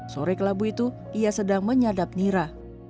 sore kelabu itu ia sedang menyadap nira